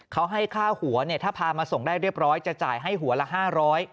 เขาให้ค่าหัวเนี่ยถ้าพามาส่งได้เรียบร้อยจะจ่ายให้หัวละ๕๐๐บาท